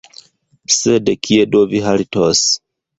sed kie do vi haltos?